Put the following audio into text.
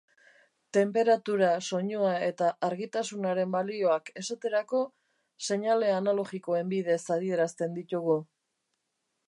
Tenperatura, soinua eta argitasunaren balioak, esaterako, seinale analogikoen bidez adierazten ditugu.